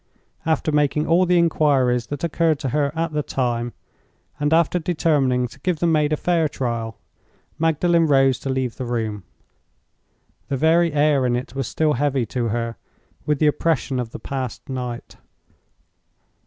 After making all the inquiries that occurred to her at the time, and after determining to give the maid a fair trial, Magdalen rose to leave the room. The very air in it was still heavy to her with the oppression of the past night.